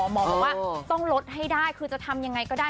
หมอบอกว่าต้องลดให้ได้คือจะทำยังไงก็ได้